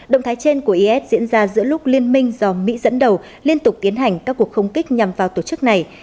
động thái trên của is diễn ra giữa lúc liên minh do mỹ dẫn đầu liên tục tiến hành các cuộc không kích nhằm vào tổ chức này